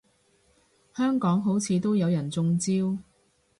香港好似都有人中招